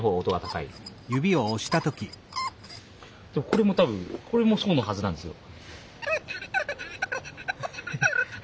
これも多分これもそうのはずなんですよ。